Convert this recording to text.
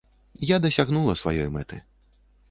Я дасягнула сваёй мэты.